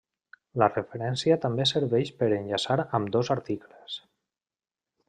La referència també serveix per enllaçar ambdós articles.